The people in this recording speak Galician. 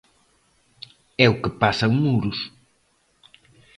É o que pasa en Muros.